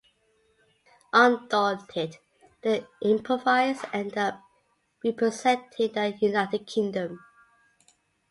Undaunted, they improvise and end up representing the United Kingdom.